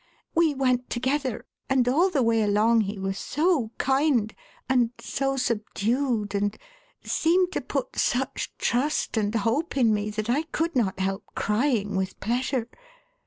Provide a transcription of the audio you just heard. We went together, and all the way along he was so kind, and so subdued, and seemed to put such trust and hope in me, that I could not help crying with pleasure.